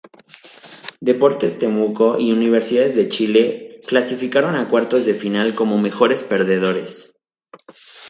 Deportes Temuco y Universidad de Chile clasificaron a cuartos de final como mejores perdedores.